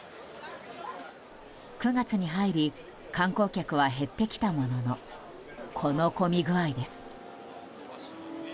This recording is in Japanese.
９月に入り観光客は減ってきたもののこの混み具合です。